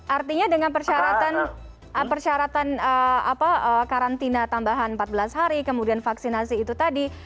artinya dengan persyaratan karantina tambahan empat belas hari kemudian vaksinasi itu tadi